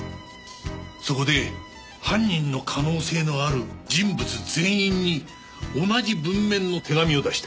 そこで犯人の可能性のある人物全員に同じ文面の手紙を出した。